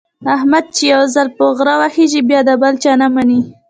احمد چې یو ځل په غره وخېژي، بیا د بل چا نه مني.